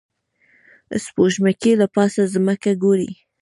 سپوږمکۍ له پاسه ځمکه ګوري